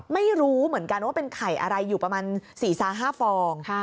ไม่รู้เหมือนกันว่าเป็นไข่อะไรอยู่ประมาณ๔๕ฟอง